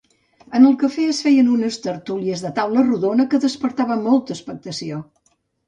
En el cafè es feien unes tertúlies de taula rodona que despertaven molta expectació.